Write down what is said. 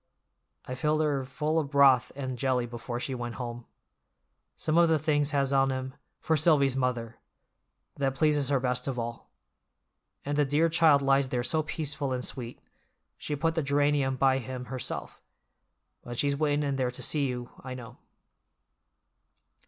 I filled her full of broth and jelly before she went home. Some of the things has on 'em 'For Silvy's mother'—that pleases her best of all. And the dear child lies there so peaceful and sweet—She put the geranium by him herself. But she's waitin' in there to see you, I know."